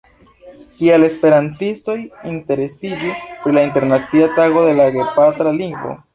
Kial esperantistoj interesiĝu pri la Internacia Tago de la Gepatra Lingvo?